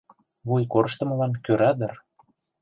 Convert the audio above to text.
Вуй корштымылан кӧра дыр...